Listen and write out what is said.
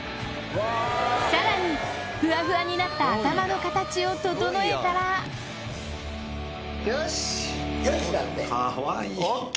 さらにフワフワになった頭の形を整えたら「よし！」だって。